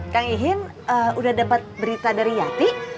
kang ihin udah dapat berita dari yati